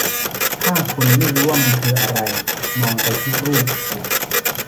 ถ้าคุณไม่รู้ว่ามันคืออะไร มองไปที่รูป